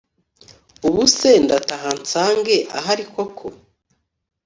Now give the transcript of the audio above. Ubuse ndataha nsange ahari koko